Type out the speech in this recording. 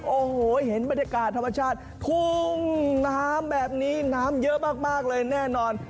โอ้โหเห็นบรรยากาศธรรมชาติทุ่งน้ำแบบนี้น้ำเยอะมากเลยแน่นอน